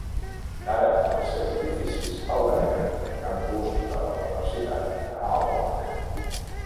Ara els seus edificis alberguen un campus de la Universitat d'Aalborg.